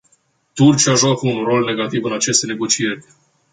Turcia joacă un rol negativ în aceste negocieri.